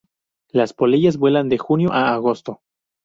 Las polillas vuelan de junio a agosto.